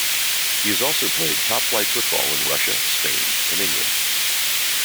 He has also played top flight football in Russia, Spain and England.